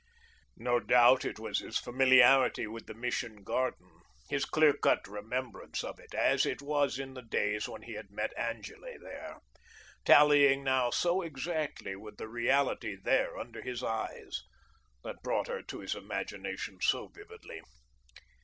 No doubt, it was his familiarity with the Mission garden, his clear cut remembrance of it, as it was in the days when he had met Angele there, tallying now so exactly with the reality there under his eyes, that brought her to his imagination so vividly.